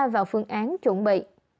vào phương án chuẩn bị